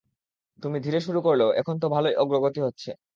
তুমি ধীরে শুরু করলেও, এখন তো ভালোই অগ্রগতি হচ্ছে।